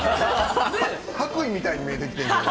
白衣みたいに見えてきてる。